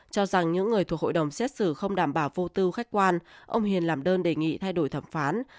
cho rằng những người thuộc hội đồng xét xử không đảm bảo vô tư khách quan ông hiền làm đơn đề nghị thay đổi thẩm phán